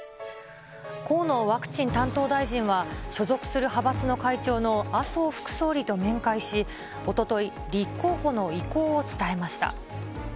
河野ワクチン担当大臣は所属する派閥の会長の麻生副総理と面会し、おととい、立候補の意向を伝えました。